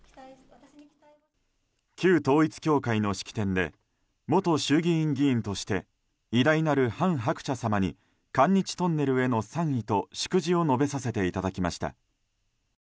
旧統一教会の式典で元衆議院議員として偉大なる韓鶴子様に韓日トンネルへの賛意と祝辞を述べさせていただきました。